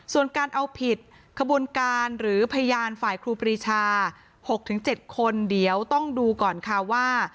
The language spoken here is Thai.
ส่วนการเอาผิดขบวนการหรือพยานฝ่ายครูปรีชา๖๗คนเดี๋ยวต้องดูก่อนค่ะว่า